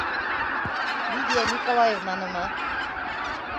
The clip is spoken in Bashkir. Лидия Николаевнанымы?